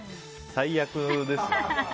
最悪ですよ。